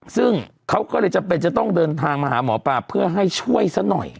ซึ่งเขาก็เลยจำเป็นจะต้องเดินทางมาหาหมอปลาเพื่อให้ช่วยซะหน่อย